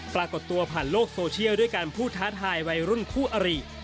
ปรากฏตัวผ่านโลกโซเชียลด้วยการพูดท้าทายวัยรุ่นคู่อริ